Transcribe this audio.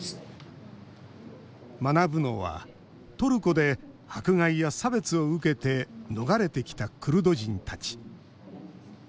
学ぶのはトルコで迫害や差別を受けて逃れてきたクルド人たち。